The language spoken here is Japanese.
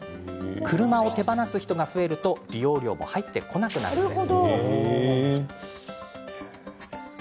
車を手放す人が増えると利用料も入ってこなくなるのです。